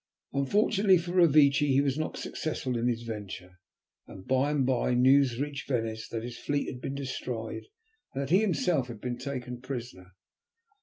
Unfortunately for Revecce he was not successful in his venture, and by and by news reached Venice that his fleet had been destroyed, and that he himself had been taken prisoner.